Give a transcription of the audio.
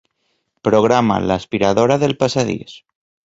Programa l'aspiradora del passadís.